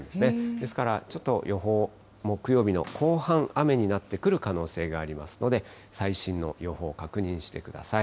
ですからちょっと、予報、木曜日の後半、雨になってくる可能性がありますので、最新の予報を確認してください。